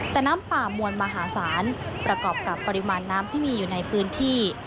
แต่น้ำป่ามวลมหาศาลประกอบกับปริมาณน้ำที่มีอยู่ในพื้นที่